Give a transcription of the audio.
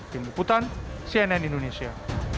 tim wiputan cnn indonesia